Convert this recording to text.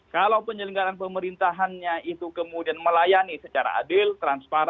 kalau penyelenggaran pemerintahannya itu kemudian melayani secara adil transparan